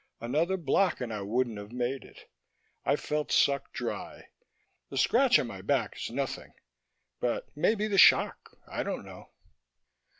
"Another block and I wouldn't have made it. I felt sucked dry. The scratch on my back is nothing, but maybe the shock ... I don't know."